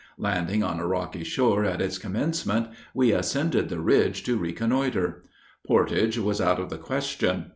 Landing on a rocky shore at its commencement, we ascended the ridge to reconnoiter. Portage was out of the question.